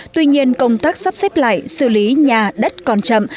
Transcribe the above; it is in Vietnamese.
tuy nhiên công tác sắp xếp lại xử lý nhà đất còn chậm